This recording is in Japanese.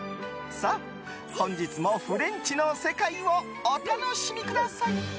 本日もフレンチの世界をお楽しみください。